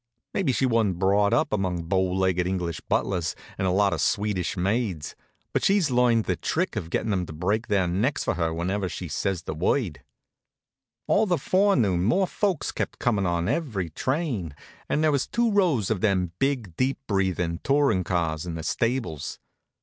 Maybe she wa'n't brought up among bow legged English butlers and a lot of Swedish maids, but she's learned the trick of gettin' 'em to break their necks for her whenever she says the word. All the forenoon more folks kept comin' on every train, and there was two rows of them big, deep breathin' tourin' cars in the stables.